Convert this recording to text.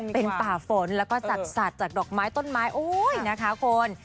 เป็นป่าฝนแล้วก็สัตว์จากดอกไม้ต้นไม้โอ้ยนะคะคุณ